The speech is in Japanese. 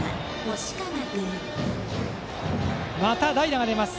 また代打が出ます。